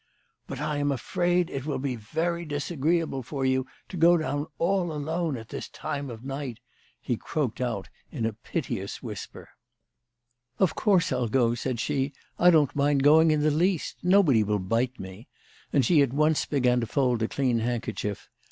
" But I am afraid it will be very disagreeable for you to go down all alone at this time of night," he croaked out in a piteous whisper. 208 CHRISTMAS AT THOMPSON HALL. " Of course I'll go," said she. "I don't mind going in the least. Nobody will bite me," and she at once began to fold a clean handkerchief.